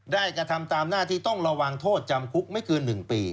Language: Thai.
กระทำตามหน้าที่ต้องระวังโทษจำคุกไม่เกิน๑ปี